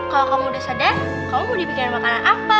kalau kamu udah sadar kamu mau dibicara makanan apa